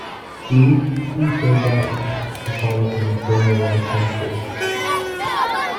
It used C-cell batteries to power an internal lighting source.